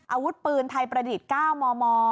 อาวุธปืนไทยประดิษฐ์๙มม